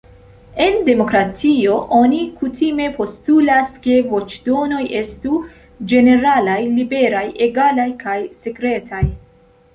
En demokratio, oni kutime postulas ke voĉdonoj estu ĝeneralaj, liberaj, egalaj kaj sekretaj.